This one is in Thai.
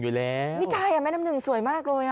อยู่แล้วนี่ใจอ่ะแม่น้ำนึงสวยมากเลย